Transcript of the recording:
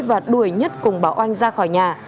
và đuổi nhất cùng bà oanh ra khỏi nhà